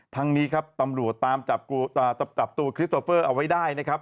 ทั้งนี้ครับตำรวจตามจับตัวคริสโตเฟอร์เอาไว้ได้นะครับ